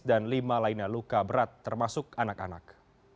dan lima lainnya luka berat termasuk anak anak